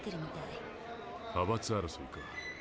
派閥争いか。